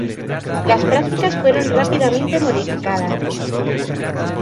Las prácticas fueron rápidamente modificadas.